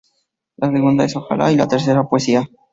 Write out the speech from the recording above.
La segunda es "ojalá" y, la tercera, "poesía".